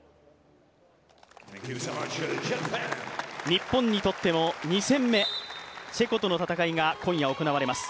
日本にとっての２戦目、チェコとの戦いが今夜行われます。